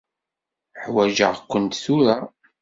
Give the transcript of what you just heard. Ḥwaǧeɣ-kent tura.